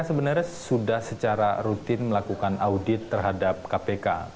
sebenarnya sudah secara rutin melakukan audit terhadap kpk